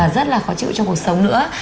rất là khó chịu trong cuộc sống nữa